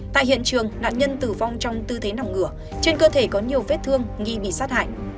tại hiện trường nạn nhân tử vong trong tư thế nằm ngửa trên cơ thể có nhiều vết thương nghi bị sát hại